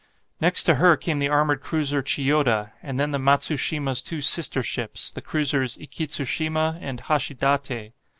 Next to her came the armoured cruiser "Chiyoda"; then the "Matsushima's" two sister ships, the cruisers "Ikitsushima" and "Hashidate."